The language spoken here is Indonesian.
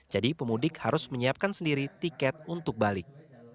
jadi pemudik harus menyiapkan sendiri tiket untuk balik